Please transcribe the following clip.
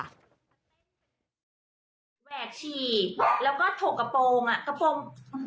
แหวกชีแล้วก็ถกกระโปรง